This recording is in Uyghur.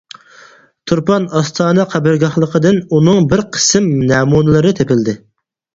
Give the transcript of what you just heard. تۇرپان ئاستانە قەبرىگاھلىقىدىن ئۇنىڭ بىر قىسىم نەمۇنىلىرى تېپىلدى.